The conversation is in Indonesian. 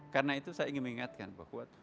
karena itu saya ingin mengingatkan bahwa